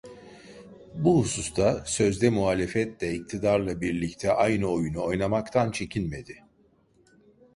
Bu hususta, sözde muhalefet de iktidarla birlikte aynı oyunu oynamaktan çekinmedi.